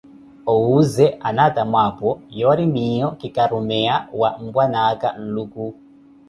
Owooze anaatamu apo, yoori miiyo ki karumeya wha Mpwanaaka Nluku.